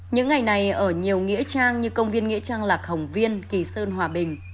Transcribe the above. những ngày này ở nhiều nghĩa trang như công viên nghĩa trang lạc hồng viên kỳ sơn hòa bình